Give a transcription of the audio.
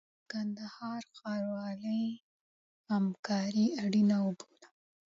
د کندهار ښاروالۍ همکاري اړینه وبلله.